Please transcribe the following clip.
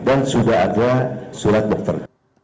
dan sudah ada surat dokter